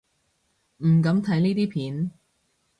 唔敢睇呢啲片